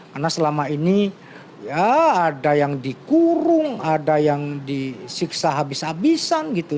karena selama ini ya ada yang dikurung ada yang disiksa habis habisan gitu